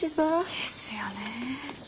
ですよねえ。